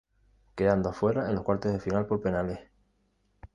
Quedando afuera en los cuartos de final por penales.